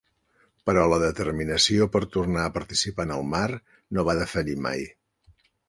Però la determinació per tornar a participar en el mar no va defallir mai.